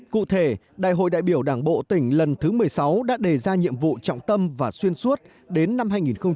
cụ thể đại hội đại biểu đảng bộ tỉnh lần thứ một mươi sáu đã đề ra nhiệm vụ trọng tâm và xuyên suốt đến năm hai nghìn hai mươi năm